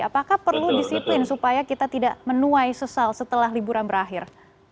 apakah perlu disiplin supaya kita tidak menuai sesal setelah liburan berakhir